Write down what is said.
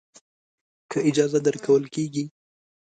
که اجازه درکول کېږي.